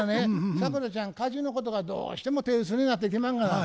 サクラちゃん家事のことがどうしても手薄になってきまんがな。